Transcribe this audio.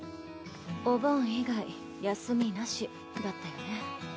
お盆以外休みなしだったよね。